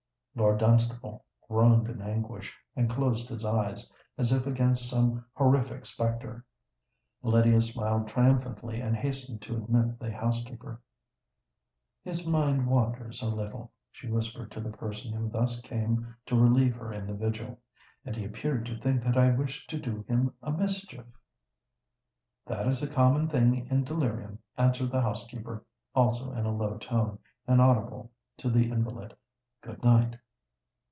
Lord Dunstable groaned in anguish, and closed his eyes—as if against some horrific spectre. Lydia smiled triumphantly, and hastened to admit the housekeeper. "His mind wanders a little," she whispered to the person who thus came to relieve her in the vigil; "and he appeared to think that I wished to do him a mischief." "That is a common thing in delirium," answered the housekeeper, also in a low tone, inaudible to the invalid. "Good night."